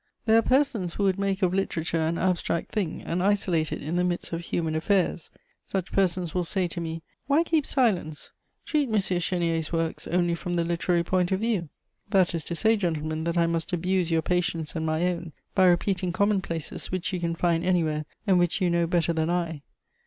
"There are persons who would make of literature an abstract thing and isolate it in the midst of human affairs. Such persons will say to me, 'Why keep silence? Treat M. Chénier's works only from the literary point of view.' That is to say, gentlemen, that I must abuse your patience and my own by repeating commonplaces which you can find anywhere and which you know better than I.